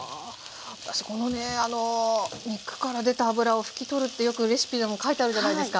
私このね肉から出た脂を拭き取るってよくレシピでも書いてあるじゃないですか。